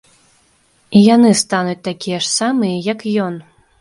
І яны стануць такія ж самыя, як ён.